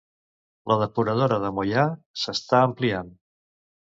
La depuradora de Moià s'està ampliant.